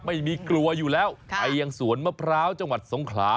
ไม่มีกลัวอยู่แล้วไปยังสวนมะพร้าวจังหวัดสงขลา